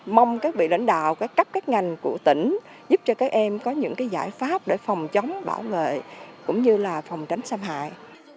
mong các vị lãnh đạo các cấp các ngành của tỉnh giúp cho các em có những giải pháp để phòng chống bảo vệ cũng như là phòng tránh xâm hại